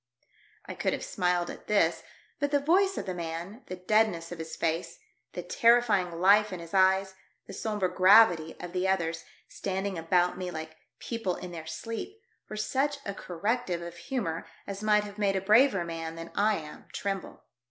I could have smiled at this, but the voice of the man, the deadness of his face, the terrifying life in his eyes, the sombre gravity of the others, standing about me like people in their sleep, were such a corrective of humour as might have made a braver man than I am tremble.